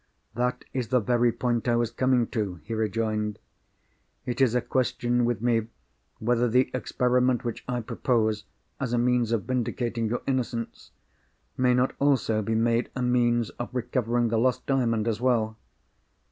"That is the very point I was coming to," he rejoined. "It is a question with me whether the experiment which I propose as a means of vindicating your innocence, may not also be made a means of recovering the lost Diamond as well.